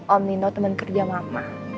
om nino teman kerja mama